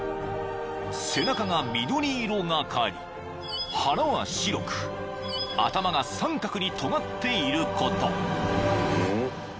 ［背中が緑色がかり腹は白く頭が三角にとがっていること］